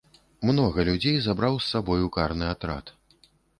Многа людзей забраў з сабою карны атрад.